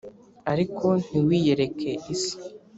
ariko ntiwiyereke isi